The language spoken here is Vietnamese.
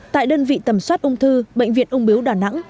tại đơn vị tầm soát ung thư bệnh viện ung biếu đà nẵng